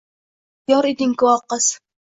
Janglarda yor eding-ku, o, qiz!